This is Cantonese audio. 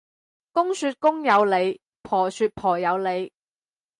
公說公有理，婆說婆有理